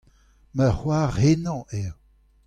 Ma c'hoar henañ eo.